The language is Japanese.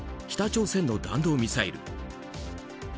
北朝鮮の弾道ミサイル。